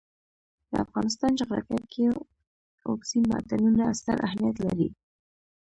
د افغانستان جغرافیه کې اوبزین معدنونه ستر اهمیت لري.